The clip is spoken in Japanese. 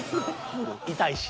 痛いし。